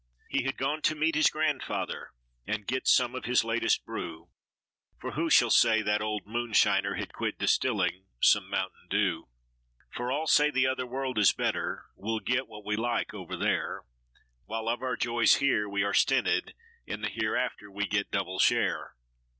He had gone to meet his grandfather, and get some of his latest brew, For who shall say that old moonshiner had quit distilling some mountain dew; For all say the other world is better, we'll get what we like over there, While of our joys here we are stinted, in the hereafter we get double share.